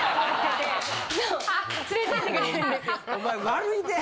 お前悪いで。